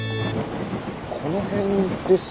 この辺ですよね。